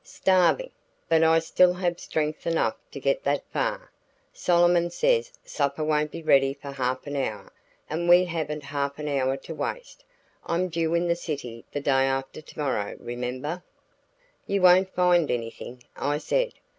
"Starving but I still have strength enough to get that far. Solomon says supper won't be ready for half an hour, and we haven't half an hour to waste. I'm due in the city the day after to morrow, remember." "You won't find anything," I said.